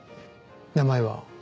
名前は？